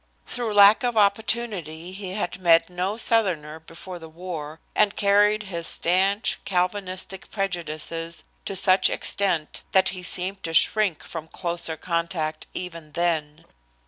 Through lack of opportunity he had met no Southerner before the war, and carried his stanch, Calvinistic prejudices to such extent that he seemed to shrink from closer contact even then.